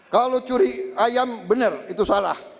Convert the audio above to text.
kalau curi ayam benar itu salah